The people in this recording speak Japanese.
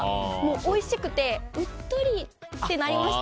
おいしくて、うっ鶏ってなりました。